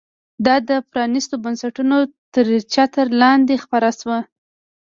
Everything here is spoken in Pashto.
دا د پرانیستو بنسټونو تر چتر لاندې خپره شوه.